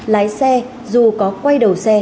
lái xe dù có quay đầu xe